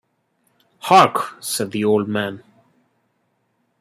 “Hark!” said the old man.